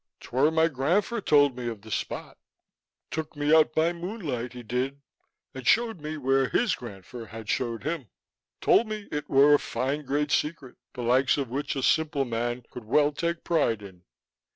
"'Twere my granfer told me of the spot; took me out by moonlight, he did, and showed me where his granfer had showed him. Told me it were a fine great secret, the likes of which a simple man could well take pride in."